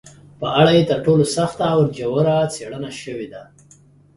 په اړه یې تر ټولو سخته او ژوره څېړنه شوې ده